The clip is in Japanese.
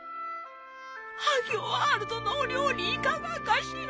萩尾ワールドのお料理いかがかしら？